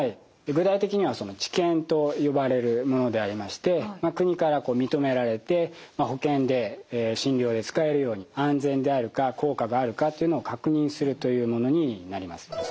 具体的には治験と呼ばれるものでありまして国から認められて保険で診療で使えるように安全であるか効果があるかっていうのを確認するというものになります。